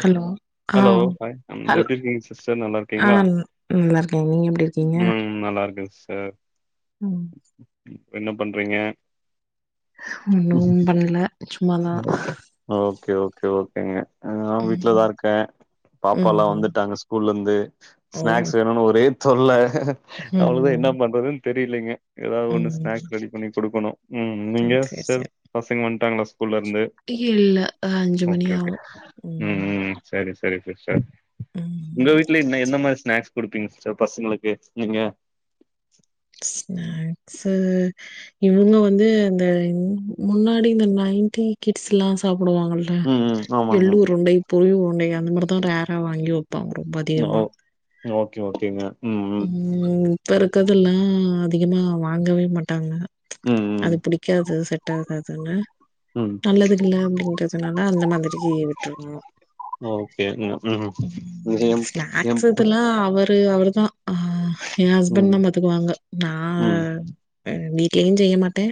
Hello ஆ hello hi ஹல் எப்டிருக்கீங்க சிஸ்டர் ஆ நல்லாருக்கீங்ளா நல்லா இருக்கேங்க நீங்க எப்டி இருக்கீங்க ம் நல்லாருக்க சார் ம் ப்ப என்ன பண்றீங்க ஒன்னு பண்ல சும்மாதா ஓகே ஓகே ஓகேங்க ஆ நா வீட்லதா ம் இருக்கே பாப்பால்லா ம் வந்துட்டாங்க ஸ்கூல்லருந்து ஓ ஸ்நாக்ஸ் வேணுனு ஒரே தொல்ல அவ்ளதா ம் என்ன பண்றதுன்னு தெரிலைங்க ஏதாது ஒண்ணு ம் ஸ்நாக்ஸ் ரெடி பண்ணி கொடுக்கணு ம் நீங்க சேரி சேரி சர் சேரி பசங்க வன்ட்டாங்ளா ஸ்கூல்லருந்து இல்ல அஞ்சு மணி ஓகே ஓகே ஆவு ம் ம் ம் சரி சரி சிஸ்டர் உங்க ம் வீட்லயு சரி, என்ன எந்த சரி. மாரி ஸ்நாக்ஸ் குடுப்பீங்க சிஸ்டர் பசங்களுக்கு நீங்க ஸ்நாக்சு இவுங்க வந்து இந்த முன்னாடி இந்த நைன்டி கிட்ஸ்ல்லா சாப்டுவாங்க ல ம் ம் ஆமாங்க எள்ளுருண்டை பொரி உருண்டை அந்த மாரிதா ரேரா வாங்கி வைப்பாங்க ரொம்ப ஓ அதிகமா ஓகே ஓகேங்க ம் இப்ப இருக்கதல்லா அதிகமா வாங்கவே மாட்டாங்க ம், ம். அது பிடி க்காது செட் ஆகாதுன்னு ம். நல்லதுகில்ல அப்டின்றதுனால அந்த மாதிரி டீய் விற்றனோ ஓகேங்க. ம். இதயம் எம் எம் ஸ்னேக்ஸ்சுடுல்லா அவர் ட்டு அவருதா ஆ ஏ ஹஸ்பண்ட் ம், தா பாத்துக்குவாங்க நா ம், வீட்லயு செய்ய மாட்டே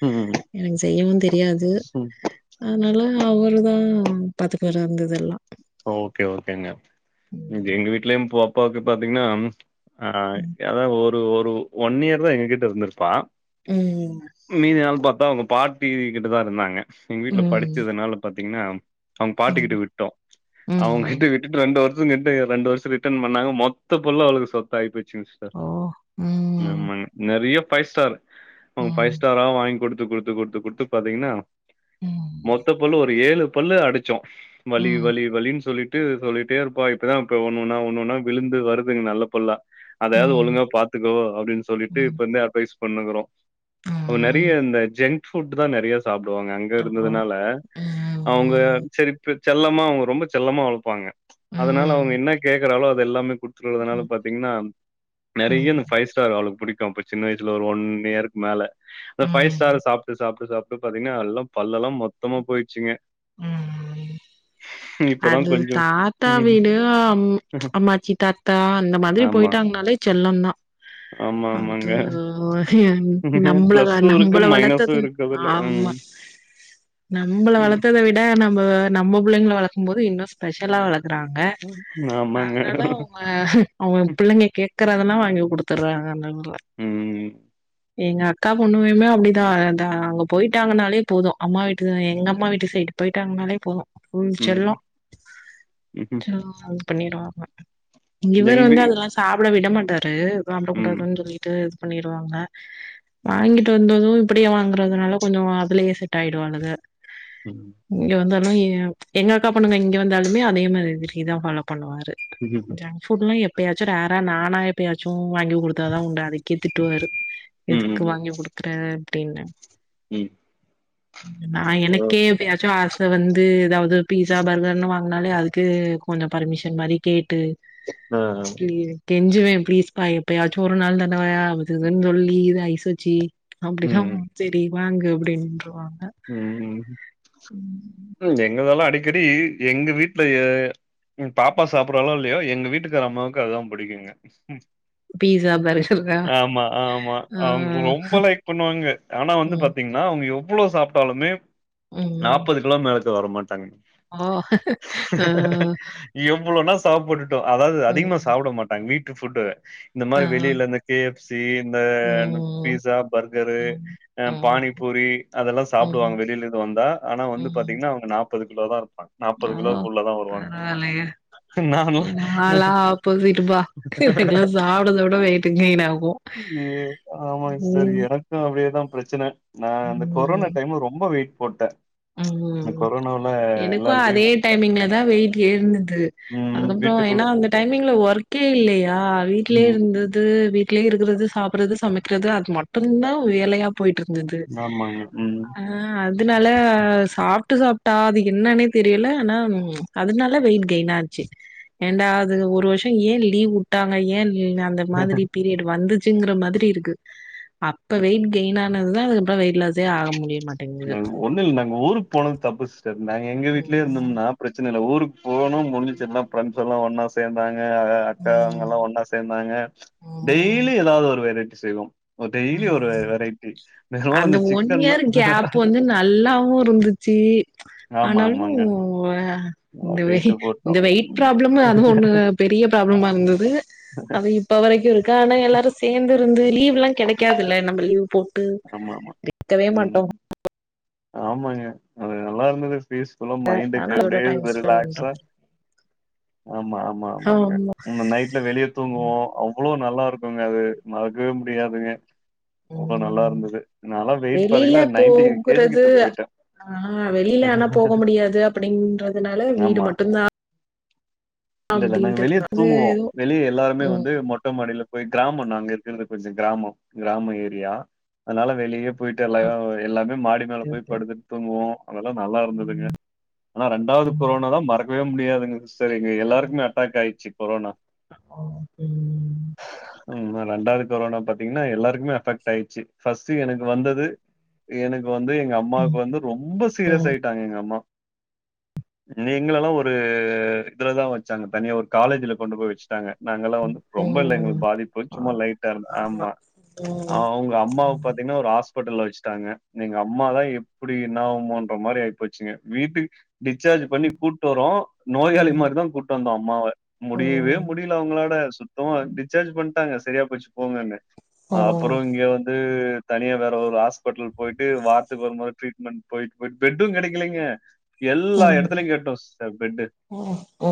ம், ம். எனக்கு செய்யவு தெரியாது அதனால அவர்தா பாத்துபாரு அந்த இதெல்லா ஓகே ஓகேங்க எங்க ம். வீட்லயு போப்பாக்கு பாத்தீங்கன்னா ஆ அதா ஒரு ஒரு ஒன் இயர் தா எங்ககிட்ட இருந்திருப்பா ம். மீதி நாள் பாத்தா அவங்க பாட்டி கிட்டுதா இருந்தாங்க எங்க வீட்டுல ம். படிச்சதுனால பாத்தீங்கன்னா அவங்க பாட்டிக்கிட்ட ம். விட்டோ ம். அவங்கிட்ட விட் கிட்ட ரெண்டு வருஷோ கிட்ட ரெண்டு வருஷோ ரிட்டன் பண்ணாங்க மொத்த பள்ளும் அவளுக்கு சொத்த ஆகி போய் சூஸ் ஸ்டார் ஓ! ம். ஆமாங்க நறைய பைவ் ஸ்டார் அவுங்க பைவ் ம். ஸ்டாரா வாங்கி குடுத்து குடுத்து குடுத்து குடுத்து பாத்தீங்கன்னா ம். மொத்த பள்ளு ஒரு ஏழு பள்ளு அடிச்சோ வலி ம். வலி வலின்னு சொல்லிட் விட்டு சொல்லிட்டே இருப்பாங்க இப்டிதா இப்ப ஒண்ணுன்னா ஒண்ணுன்னா விழுந்து வருதுங் நல்ல பள்ளா அதயாது ம். ஒழுங்கா பாத்துக்கோ அப்டின்னு சொல்லிட்டு ம், இப்ப இருந்தே அட்வைஸ் பண்ணுக்றோ அ நறைய ம், இந்த ஜங்க் ஃபுட் தா நறைய சாப்டுவாங்க அங்க இருந்ததுனால அவுங்க ம், சேரி து செல்லமா அவுங்க ரொம்ப செல்லமா வளப்பாங்க அதனால அவுங்க ம், என்ன கேக்குறாலோ அது எல்லாமே குடு சொல்றதுனால பாத்தீங்கன்னா நறைய ம், பைவ் ஸ்டார் அவளுக்கு பிடிக்கும் அப்ப சின்ன வயசுல ஒரு ஒன் இயருக்கு மேல பைவ் ஸ்டார் ம், சாப்ட்டு சாப்ட்டு அப்ப சாப்பிட்டு பாத்தீங்கன்னா அல்லா பல்லெல்லா மொத்தமா போயிடுச்சுங்க ம் ம் ம் இப்பதா அது கொஞ்சம் தாத்தா வீடு அம் அம்மாச்சி தாத்தா அந்த மாதிரி ஆமா. போயிட்டாங்கனாலே செல்லம் தா ஆமா ஆமாங்க. அது நம்மளக பிளஸ்ஸு இருக்கு நம்மள மைனஸு வளத்தது இருக்கு அதுல. ஆம்மா ம். நம்மள ம். வளத்தத விட நம்ம நம்ம பிள்ளைங்களை வளக்கும் போது இன்னும் ஸ்பெஷலா வள க்குறாங்க ம் ஆமாங்க. அதனால அவுங்க ஆஹ அவங்க பிள்ளைங்க கேக்குறதல்லா வாங்கி குடுத்துடுறாங்க நண்பா ம். எங்க அக்கா பொண்ணுவுமே அப்டிதா அந்த அங்க போயிட்டாங்கனாலே போதும் அம்மா வீட்டுன் எங்க அம்மா வீட்டு சைடு போயிட்டாங்கனாலே போது ம் செல்லம் ம்ஹ்ம். பண்ணிடமா இவர் எங்க வீ வந்து அதெல்லா சாப்பிட விட மாட்டாரு ம். சாப்பிடகூடாதுன்னு சொல்லிட்டு இது பண்ணிருவாங்க வாங்கிட்டு வந்தது இப்டிய வாங்கறதுனால கொஞ்சம் அதுலயே செட் ஆயிடுவாங்கல ம் இங்க வந்தானா ஏ எங்க அக்கா பொண்ணுங்க இங்க வந்தாலுமே அதே மாதிரி விஷ்யந்தா ஃபாலோ பண்ணுவாரு [unintelligible] ஜங் புட் லா எப்பயாச்சு ரார் ஆ நானா எப்பயாச்சு வாங்கி குடுத்தாத உண்டு அதுக்கே திட்டுவாரு எதுக்கு ம். வாங்கி குடுக்குற அப்படின்னு ம் நா ஓ எனக்கே எப்பையாச்சு ஆச வந்து எதாவது பீஸா பர்கர்னு வாங்கனாலே அது க்கு கொஞ்சம் பர்மிஷன் மாதிரி கேட்டு ஆ ஆ கெஞ்சுவே ப்ளீஸ் பா எப்பயாச்சு ஒரு நாள் தானவா அது இதுன்னு சொல்லி இத ஐஸ் வச்சு அப்படிதா ம். சேரி வாங்கு அப்படின்றுவாங்க ம் எங்கதெல்லா அடிக்கடி எங்க வீட்லயே எம் பாப்பா சாப்பிடுறாலோ இல்லையோ எங்க வீட்டுக்கார அம்மாவுக்கு அதுதா புடிக்குங்க பீஸா, பர்கர்ரா ஆமா ஆமா ஆ அவுங்க ரொம்ப லைக் பண்ணுவாங்க ஆனா வந்து ம், பாத்தீங் னா அவுங்க எவ்வுளோ சாப்பிட்டாலுமே ம் நாப்பது கிலோ மேலுக்கு வரமாட்டாங்க ஓ ஆ எவ்வளவுனா சாப்படட்டும் அதாவது அதிகமா ம், சாப்பிட மாட்டாங்க வீட்டு ஃபுட்டு இந்த ஆ மாரி வெளியில இந்த கே எப் சி இந்த ம், பீஸா பர்கரு ம், ம், பானிபூரி அதெல்லா சாப்பிடுவாங்க ம், வெளியில இது வந்தா ஆனா வந்து ம். பாத்தீங்கன்னா அவுங்க நாப்பது கிலோ தா இருப்பாங்க ஓ! நாப்பது கிலோக்குள்ளதா வருவாங்க பரவால்லயே! நான்லாம் நாலா ஆப்போசிட் பா எனக்கல்லாம் சாப்பறத விட வெயிட்டு கெயின் ஆகு யே ஆமாங்க சிஸ்டர் ம் எனக் கும் அதேதா பிரச்சனை நான் இந்த கொரோனா ம் டைம் ரொம்ப வெயிட் போட்டே இந்த கொரோ எனக்கும் அதே டைமிங்ல தா வெயிட் ஏறனது ம் அதுக்கப்புற வீட்டுக்குள்ள ஏன்னா அந்த டைமிங்ல ஒர்க்கே இல்லையா வீட்லயே ம் இருந்து து வீட்லயே இருக்கிறது சாப்பறது சமைக்கிறது அது மட்டுந்தா வேலையா போய்ட்டு இருந்தது ஆமாங்க. ம். ஆ அதுனால ஆஹ் சாப்ட்டு சாப்ட்டா அது என்னானே தெரியல ஆனா அதுனால வெயிட் கெயின் ஆச்சி ஏன்டா அது ஒரு வருஷொ ஏ லீவ் உட்டாங்க ஏ [unintelligible] அந்த மாதிரி பீரியட் வந்துச்சிங்குற மாதிரி இருக்கு அப்ப வெயிட் கெயினா ஆனதுதா அதுக்கப்றொ வெயிட் லாஸே ஆக முடிய மாட்டேங்குது ஒண்ணு இல் நாங்க ஊருக் போனது தப்பு சிஸ்டர் நாங்க எங்க வீட்லயே ம், இருந்துருந்தா பிரச்சன இல்ல ஊருக்கு போக்னூ முடிஞ்சுச்சேன்தா ஃபிரண்ட்ஸ்ஸெல்லா ஒன்னாஸ் சேந்தாங்க அக அக்கா ம், அவங்கல்லா ஒன்னா சேந்தாங்க ம், டெய்லி எதாவது ஒரு வெரைட்டி செய்வோ ம். டெய்லி ஒரு வெ வெரைட்டி த அந்த கவாலந்த சிக் ஒன் இயர் கேப் வந்து நல்லாவு இருந்துச்சி ஆமா, ஆனாலூ ஆமாங்க. அ இந்த வெய் வெயிட்டு இந்த போட்டோம். வெயிட் ம். ப்ராப்ளம் அதுவு ஒண்ணுதா பெரிய ப்ராப்ளமா ஆமாங்க. இருந்தது [unintelligible] அது இப்ப வரைக்கு இருக்கு ஆனா எல்லாரு சேந்திருந்து லீவ்லா கெட காதுல்ல நம்ம லீவு போட்டு ஆமாமா. கேட்கவே ம். மாட்டோ ஆமாங்க அது நல்லா இருந்தது ஃபீஸ்ஃபுல்லா ஆனா மைண்டுக்கு அதோட அப்டியே டைம் ஸ்பெண்ட் பண்றோ ரிலாக்ஸா ஆமா ஆமா ஆமாங்க ஆமா இன்னு நைட் ல வெளிய தூங்குவோ அவ்வளோ நல்லாருக்குங்க அது மறக்கவே முடியாதுங்க அவ்ளோ நல்லா ம் இருந்தது நால்லா வெயிட் பாத்திங்கனா நைன்டி கே ஜி கிட்ட பொயிட்டே ஆஹ் வெளியில ஆனா போக முடியாது அப்பிடின்றதுனால வீடு மட்டுந்தா இல்லல்ல நாங்க வெளிய அப்டின்ட்டு அது தூங்குவோ வெளிய எல்லாருமே ம் வந்து மொட்ட மாடில போய் கிராமொ நாங்க இருக்றது கொஞ்சொ கிராமொ கிராமொ ஏரியா அதனால வெளியப் போய்ட்டு எல்லாயு எல்லாமே மாடி ஓகே மேலப்போய் ஓகே படுத்துட் தூங்குவோ அதெல்லா நல்லா இருந்ததுங்க ஆனா ரெண்டாவது கொரோனாதா மறக்கவே முடியாதுங்க ததுஎங்க எல்லாருக்குமே அட்டாக் ஆய்ச்சி கொரோனா ஆ கே உம் ந ரெண்டாது கொரோனா பாத்திங்னா எல்லாருக்குமே அஃபெக்ட் ஆயிச்சி ஃபஸ்ட்டு எனக்கு வந்தது எனக்கு வந்து எங்க அம் மாவுக்கு வந்து ரொம்ப சீரியஸ் ஆயிட்டாங்க எங்க அம்மா எங்களல்லா ஒரூ இதுல தா வச்சாங்க தனியா ஒரு காலேஜில கொண்டு போய் வச் டாங்க நாங்கல்லா வந்த் ரொம்ப இல்ல ம் எங்ளுக்கு பாதிப்பு ஆ சும்மா லைட்டா இருந் ஆமா ஆ ம் அவுங்க ம் அம்மாவ் பாத்தீங்னா ஒரு ஆஸ்பிட்டல்ல வச்ட்டாங்க எங்க அம்மாதா எப்டி என்னாகுமோன்ற மாரி ஆய்ப்போச்சிங்க வீட்டுக் டிஸ்சார்ஜ் பண்ணி கூட்டு வரோ நோயாளி ம் மாரிதா கூட் டந்தோ அம்மாவ ம் ம் முடியவே ம் முடியல அவங்களாட சுத்தமா டிஸ்சார்ஜு பண்ட்டாங்க சரியா போச்சு போங்கன்னு அப்பறோ இங்க வந்தூ தனிய வேற ஒரு ஆஸ்பெட்டல் பொய்ட்டு வாரத்துக்கு ஒரு மொற ட்ரீட்மெண்ட் பொய்ட் பொய்ட் பெட்டு கெடைக்கலைங்க எல்லா எடத்துலையு ம் கேட்டோ சிஸ்டர் பெட்டு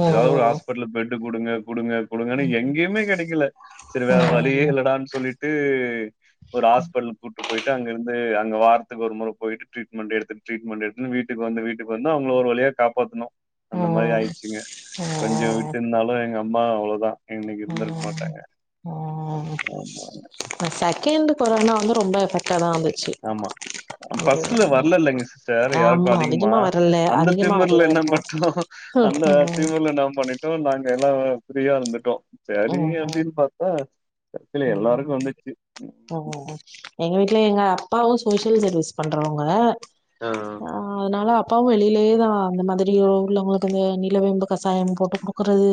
ஏதாவது ஒரு ஹாஸ்பிட்டல்ல பெட்டு குடுங்க குடுங்க குடுங்கனு எங்கயுமே கெடைக்கல சேரி வேற வழியே ம் இல்லடான் சொல்லிட்டூ ஒரு ஆஸ்பெட்டல் கூப்ட்டு பொய்ட்டு அங்க இருந்து அங்க வார் துக்கு ஒரு மொற பொய்ட்டு ட்ரீட்மெண்ட எடுத்து ட்ரீட்மெண்ட் எடுத்துனு வீட்டுக்கு வந்து வீட்டுக்கு வந்து அவங்ள ஒரு வழியா காப்பாத்துணோ அந்த ம் மாரி ம் ஆய்ச்சிங்க கொஞ்சொ ம் விட்டிந்தாலு எங்க அம்மா அவ்ளோதா இன்னைக் இருந்துருக்க மாட்டாங்க ஆஹ் [unintelligible] செகண்ட்டு கொரோனா வந்து ரொம்ப எஃபெக்ட்டாதா ஆன்து ஆமா அ ஃபஸ்ட்டுல வர்லல்லைங்க சிஸ்டர் யார்க்கு ஆமா அதிகமா வரல அந்த அதிகமா திமிர்ல வரல என்ன இருக்கு பண்ட்டோ அந்த திமிர்ல நா பண்ணி கவு நாங்க எல்லா ஃப்ரீயா இருந்துட்டோ சரி அப்டின் பாத்தா ஆமாம் ஓ ஓ ஓ எங்க வீட்ல எங்க அப்பாவு சோசியல் சர்வீஸ் பண்றவங்க ஆ ஆ அதுனால அப்பாவு வெளிலயே தா அந்த மாதிரி உள்ங்ளவங்களுக் இந்த நிலவேம்பு கசாயம் போட்டு குக்கறது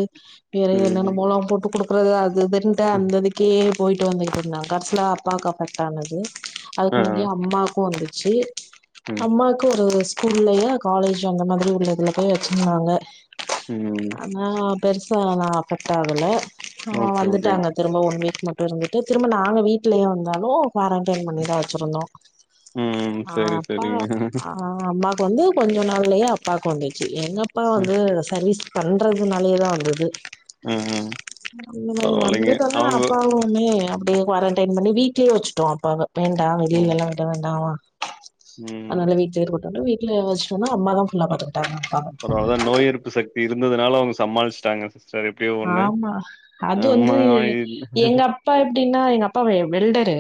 வேற ம், என்னென்னமோலா போட்டு குடுக்கறது அது இதுன்ட்டு ம், அந்த இதுக் கே போய்ட்டு வந்துகிட்ருந்தாங் கடசில அப்பாக் அ ஃபெக்ட்டானது அதுக்கு ஆ, முந்தியே அம்மாக்கு வந்துர்ச்சி ம், அம்மாக்கு ஒரு ஒரு ஸ்கூல்லயு காலேஜ் அந்த மாதிரி உள்ளதுல போய் வச்சிருந்தாங்க ம். ஆனா பெருசா அல்ல நா அஃபெக்ட்டாகல ஆ ஓகே ஓகே வந்துட்டாங்க திரும்ப ஒன் வீக் மட்டு இருந்துட்டு திரும்ப நாங்க வீட்லயு இர்ந்தாலு க்வாரண்டைன் பண்ணி தா வெச்சிருந்தோ ம் ஆ சரி அப்பா சரிங்க ஆ அம்மாக் வந்து கொஞ்சோ நாள்லயே அப்பாக்கு வந்துர்ச்சி எங்க அப்பா ம், வந்து சர்வீஸ் பண்றதுனாலயே தா வந்துது ம். ம். அந்த மாரி பரவாயில்லைங்க வந்துட்டல்லா அவங்க அப் பாவையுமே அப்டியே க்வாரண்டைன் பண்ணி வீட்லே வெச்சுட்டோ அப்பாவ வேண்டா ம், வெளிலெல்லா விட வேண்டாமா ம். அத்னால வீட் லே இருக்கட்டுன்ட்டு வீட்ல வெஸ்ட்டோனா அம்மா தா ஆ பரவால்ல நோய் எருப்பு சக்தி இருந்ததுனால அவுங்க சமாள்ஸ்ட்டாங்க சிஸ்டர் இப் ஆமா அது வந்து இது- எங்கப் பா எப்டினா எங்க அப்பா வே வெல்டரு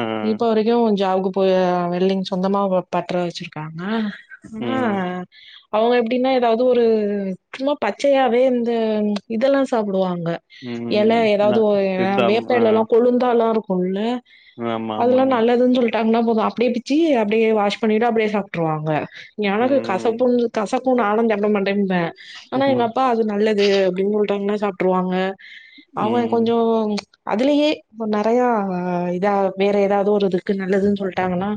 ஆ, இப்ப வரைக்கு ஜாப்கு போய் வெல்டிங் சொந்தமா பட்ற வெச்சிருக்காங்க ஆனா ம் அவங்க எப்டின்னா எதாவ்து ஒரு சும்மா பச்சையாவே இந்த இதெல்லா சாப்டுவாங்க எல ம் ந எதாவ்து ஒ எ சித்தாம் ஆ வேப்பெலல்லா கொழுந்தால்ல இருக்குல்ல ஆமா அதுல்லா ஆமாங்க நல்லதுன் சொல்லீட்டாங்னா போது அப்டியே பிச்சி அப்டியே வாஷ் பண்ணிட்டு அப்டியே சாப்ட்ருவாங்க எனக்கு ம் கசப்புன் கசக்கு நானு சாப்டமாட்டேம்ப ஆனா எங்க அப்பா அது நல்லது ரெண் மூல் டைம்லா சாப்ட்ருவாங்க அவுங்க ம் கொஞ்சோ அதுலயே இப்ப நெறைய இதா வேற எதாவ்து ஒரு இதுக்கு நல்லதுன் சொல்ட்டாங்கன்னா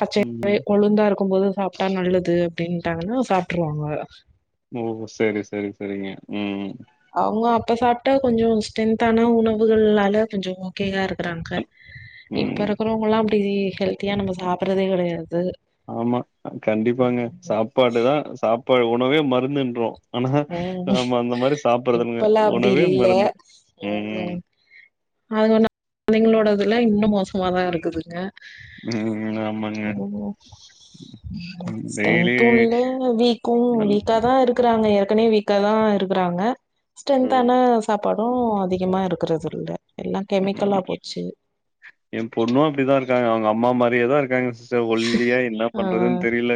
பச்சயாவே ம் கொளுந்தா இருக்கும்போது சாப்ட்டா நல்லது அப்டின்ட்டாங்கனா சாப்ட்ருவாங்க ஓ செரி செரி செரிங்க ம் அவுங்க அப்ப சாப்ட்டா கொஞ்சோ ஸ்ட்ரென்த்தான உணவுகள்னால கொஞ்சோ ஓகேயா இருக்கறாங்க இப்ப ம் இருக்கறவங்கல்லா அப்டி ஹெல்த்தியா நம்ம சாப்பட்றதே கெடையாது ஆமா அ கண்டிப்பாங்க சாப்பாடு தா சாப்பாடு உணவே மருந்துன்றோ ஆனா ம். நம்ம அந்த மாரி சாப்பட்றதுங்க இப்பல்லாம் அப்டி உணவே இல்ல. மருந்து ம் அது உன்னு கொழந்தைங்களோடதுலா இன்னு மோசமா தா இருக்குதுங்க ம் ஆமாங்க டெய்லி ஸ்ட்ரென்த்து இல்ல வீக்கு நல் வீக்கா தா இருக்கறாங்க ஏற்கனே வீக்காதா இருக்கறாங்க ம் ஸ்ட்ரென்த்தான சாப்பா டு அதிகமா இருக்கறதில்ல எல்லா கெமிக்கலா போச்சு எம்பொண்ணு அப்டி தா இருக்காங்க அவுங்க அம்மா மாரியே தா இருக்காங்க சிஸ் டர் ஒல்லியா என்னா ஆ பண்றதுன் தெரியில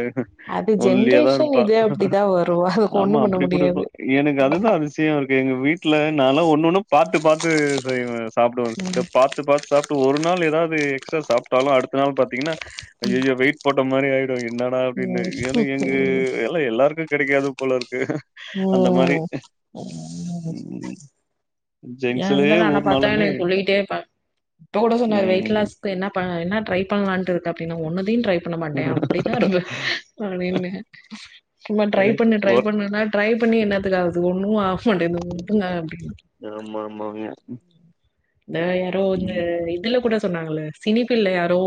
அது ஒல்லியாதா ஜென்ரேஷன் இருப்பா இது அப்டிதா வரு அதுக்கு ஆமா ஒண்ணு பண்ண அப்டி கூட முடியாது இருக்கலா எனக் அது தா அதி சியமா இருக்கு எங்க வீட்ல நாலா ஒன்னொன்னு பாத்து பாத்து செய்வ சாப்டுவங் ம் சிஸ்டர் பாத்து பாத்து சாப்ட் ஒரு நாள் எதாவ்து எக்ஸ்ட்ரா சாப்ட்டாலு அடுத்த நாள் பாத்தீங்ன்னா ம் ஐயையோ வெயிட் போட்ட மாரி ஆய் என்னடா அப்டினு ஏன்னா எங்க ம் எல்லா எல்லாருக்கு கெடைக்காது போல இருக்கு அந்த மாரி. ம் ம். ஏ ஜங்ஷன்லயே ஹஸ்பெண்ட் என்ன பாத்தா என்ன ஊர்னாலுமே சொல்லிட்டே இருப்பாங் இப்ப கூட சொன்னாரு வெயிட் ம். லாஸ்க்கு என்ன பண் என்ன ட்ரை பண்லாண்டு இருக்க அப்டின் ஒன்னுத்தையு ட்ரை பண்ண மாட்டே அப்டி தா இருந் அப்டின்னே சும்மா ட்ரை எனக்கு பண்ணு ட்ரை ஒர்க் பண்ணுனா ட்ரை பண்ணி என்னத்துக்காககுது ஒண்ணு ஆக மாட்டேந்து வுடுங்க அப்டின் ரொம்ப ரொம்ப உண்மையா இந்த யாரோ வந்து இதுல கூட சொன்னாங்கள சினி பீல்ட் யாரோ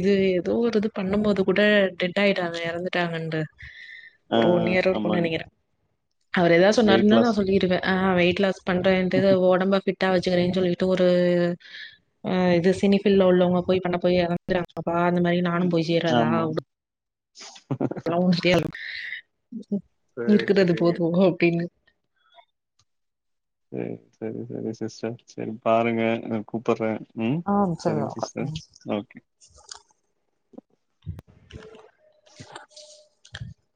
இது ஏதோ ஒரு இது பண்ண போது கூட டெட் ஆயிட்டாங்க எறந்துட்டாங்கன்ற ஆ ஒரு ஒன்னு இயரு இருக்குன் ஆமாங்க. நெனைக்கிறே அவர் எதாது வெயிட் சொன்னாருனா நா லாஸ். சொல்லிருவே ஆ வெயிட் லாஸ் பண்றேன்டு இது ஒடம்ப ஃபிட்டா வெச்சுக்கறேன் சொல்லிட்டு ஒரு ஆ இது சினி ஃபில்ட்ல உள்ளவங்க போய் பண்ண போய் எறந்துறாங்கப்பா அந்த மாரி நானு போய் சேர்றதா ஆமா. வுடு இதெல்லா உன் தேவல சரி, இருக்கறது சரிங்க. போது அப்டின்னு செரி செரி செரி சிஸ்டர் செரி பாருங்க நா கூப்பற ம் ஆ சரி. செரிங்க ஓகே. ம். Sister okay